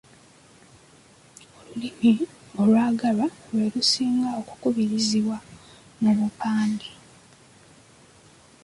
Olulimi olwagalwa lwe lusinga okukubirizibwa mu bupande.